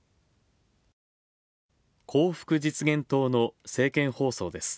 幸福実現党の政見放送です。